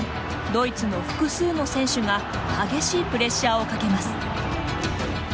ドイツの複数の選手が激しいプレッシャーをかけます。